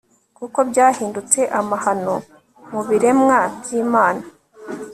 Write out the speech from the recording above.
kuko byahindutse amahano mu biremwa by'imana